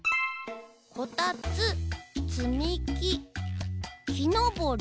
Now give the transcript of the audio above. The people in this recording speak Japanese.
「こたつつみききのぼり」。